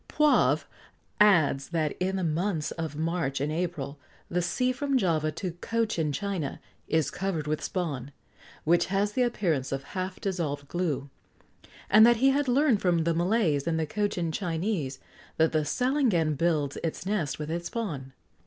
Poivre adds that, in the months of March and April, the sea from Java to Cochin China is covered with spawn, which has the appearance of half dissolved glue, and that he had learned from the Malays and the Cochin Chinese that the salangan builds its nest with this spawn.